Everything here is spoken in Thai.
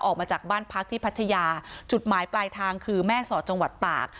ออกมาจากบ้านพักที่พัทยาจุดหมายปลายทางคือแม่สอดจังหวัดตาก